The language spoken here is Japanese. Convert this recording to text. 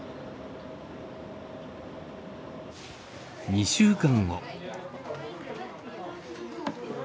２週間後。